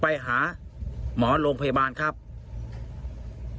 พี่ทีมข่าวของที่รักของ